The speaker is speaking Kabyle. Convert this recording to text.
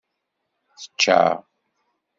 Tecca.